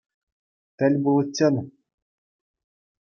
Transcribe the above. Тӗл пуличчен!